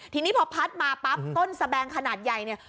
ทีนี้พอพัดมาปั๊บต้นสแบงขนาดใหญ่เนี่ย